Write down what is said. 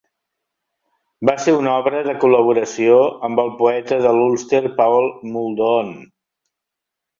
Va ser una obra de col·laboració amb el poeta de l'Ulster Paul Muldoon.